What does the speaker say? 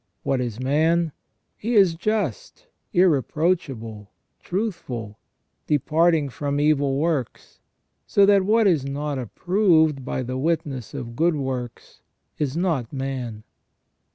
What is man ? He is just, irreproachable, truthful, departing from evil works, so that what is not approved by the witness of good works is not man.